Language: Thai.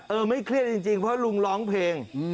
ไม่เครียดจริงเพราะลุงร้องเพลง